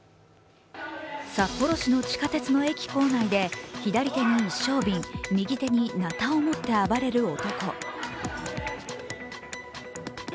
札幌市の地下鉄の構内で左手に一升瓶、右手になたを持って暴れる男。